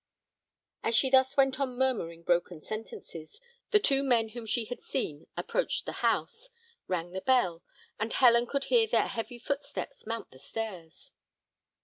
As she thus went on murmuring broken sentences, the two men whom she had seen approached the house, rang the bell, and Helen could hear their heavy footsteps mount the stairs.